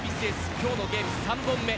今日のゲーム３本目。